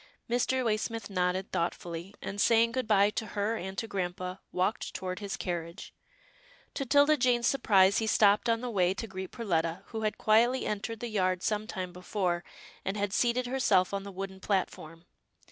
Mr. Waysmith nodded, thoughtfully, and, saying good bye to her and to grampa, walked toward his carriage. To 'Tilda Jane's surprise, he stopped on the way to greet Perletta, who had quietly entered the yard some time before, and had seated herself on the wooden platform.